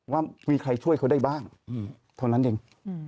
ว่ามีใครช่วยเขาได้บ้างเท่านั้นเอง